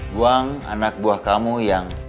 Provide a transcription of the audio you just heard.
buang anak buah kamu yang